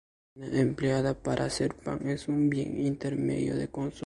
La harina empleada para hacer pan es un bien intermedio de consumo.